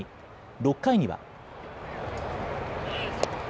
６回には。